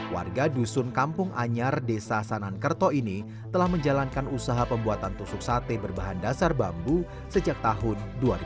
warga dusun kampung anyar desa sanankerto ini telah menjalankan usaha pembuatan tusuk sate berbahan dasar bambu sejak tahun dua ribu dua